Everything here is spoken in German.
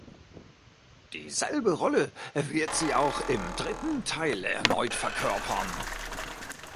Dieselbe Rolle wird sie auch im dritten Teil erneut verkörpern.